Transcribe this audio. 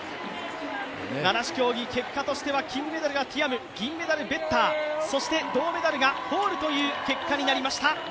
七種競技、結果としては金メダルがティアム、銀メダルがベッター、そして銅メダルがホールという結果になりました。